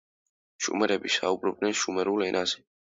შუმერები საუბრობდნენ შუმერულ ენაზე.